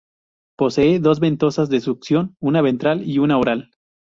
Posee dos ventosas de succión una ventral y una oral.